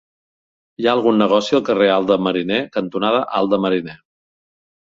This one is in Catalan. Hi ha algun negoci al carrer Alt de Mariner cantonada Alt de Mariner?